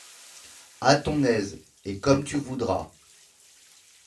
A ton aise, et comme tu voudras !